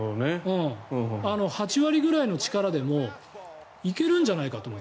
８割ぐらいの力でもいけるんじゃないかと思う。